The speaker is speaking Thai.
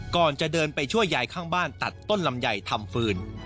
ก่อนจะเดินไปช่วยยายข้างบ้านตัดต้นลำไยทำฟืน